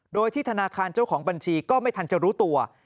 โดยที่ธนาคารเจ้าของบัญชีก็ไม่ทันจะรู้ตัว